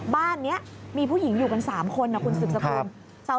บ้านนี้มีผู้หญิงอยู่กัน๓คนนะคุณสุดสกุล